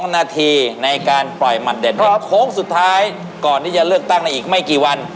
นาทีในการปล่อยหมัดเด็ดโค้งสุดท้ายก่อนที่จะเลือกตั้งในอีกไม่กี่วัน